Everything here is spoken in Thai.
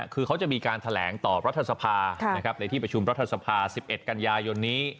คือเขาจะมีการแถลงต่อรัฐสภาในที่ประชุมรัฐสภา๑๑กันยายนนี้